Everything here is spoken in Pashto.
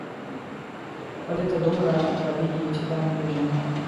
ولې ته دومره غبي یې چې دا نه پېژنې